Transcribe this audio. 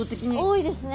多いですね。